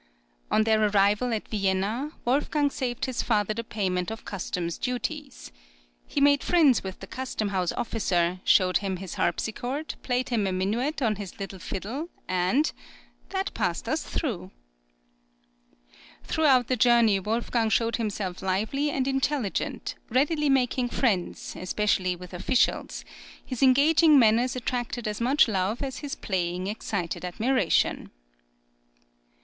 On their arrival at Vienna, Wolfgang saved his father the payment of customs duties. He made friends with the custom house officer, showed him his harpsichord, played him a minuet on his little fiddle, and "That passed us through!" Throughout the journey Wolfgang showed himself lively and intelligent, readily making friends, especially with officials; his engaging manners attracted as much love as his playing excited admiration.